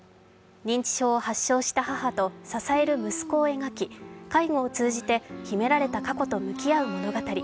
認知症を発症した母と支える息子を描き介護を通じて秘められた過去と向き合う物語。